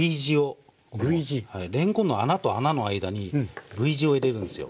れんこんの穴と穴の間にＶ字を入れるんですよ。